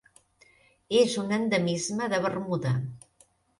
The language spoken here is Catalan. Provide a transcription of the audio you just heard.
És un endemisme de Bermuda.